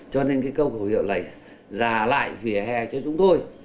cho nên cái câu khẩu hiệu này là giả lại về hè cho chúng tôi